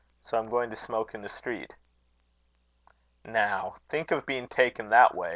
So I'm going to smoke in the street." "Now, think of being taken that way!"